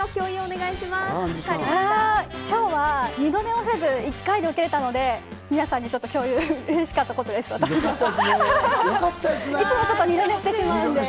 今日は二度寝をせず、１回で起きれたので、皆さんに共有、うれしかったことです。